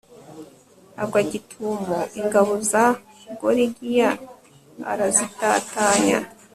agwa gitumo ingabo za gorigiya, arazitatanya